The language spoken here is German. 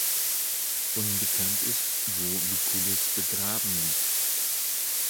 Unbekannt ist, wo Lucullus begraben liegt.